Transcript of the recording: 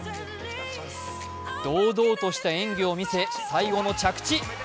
堂々とした演技を見せ最後の着地。